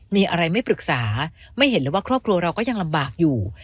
มีอะไรไม่ปรึกษาไม่เห็นเลยว่าครอบครัวเราก็ยังลำบากอยู่